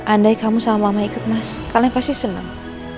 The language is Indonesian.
andai kamu sama mama ikut mas kalian pasti seneng